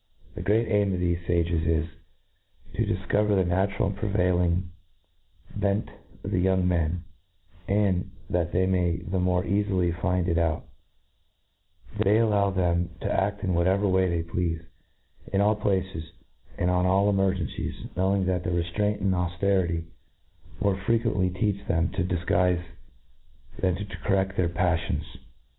The great aim of thefc fages is, to difcover the natural and prevailing bent of the young men j and, that they may the more cafily find it out, they allo^ them to aft in whatever way they plcafc, in all places, and on all emergencies, knowing that rcftraintiand aufterity more fre quently teach them to difguife than to correft their paflions.